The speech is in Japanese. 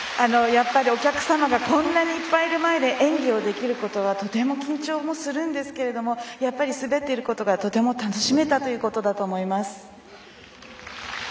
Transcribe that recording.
やっぱりお客様がこんなにいっぱいいる前で演技をできることはとても緊張するんですけどやっぱり滑っていることがとても楽しめたということだと思います。